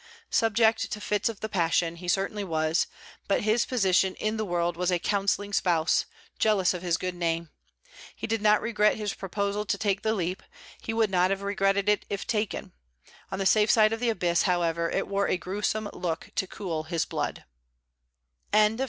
Subject to fits of the passion, he certainly was, but his position in the world was a counselling spouse, jealous of his good name. He did not regret his proposal to take the leap; he would not have regretted it if taken. On the safe side of the abyss, however, it wore a gruesome look to his cool blood.